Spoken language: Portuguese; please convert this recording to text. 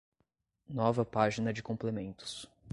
Nova página de complementos.